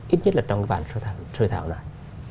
ít nhất là trong cái bản sơ thảo này